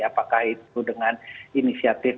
apakah itu dengan inisiatif